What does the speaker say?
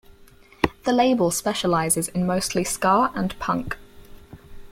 The label specializes in mostly ska and punk.